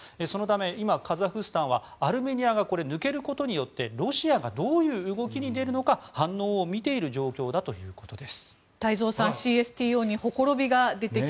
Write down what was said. そのためカザフスタンはアルメニアが抜けることによってロシアがどういう動きに出るのか反応を見ている状況だということです。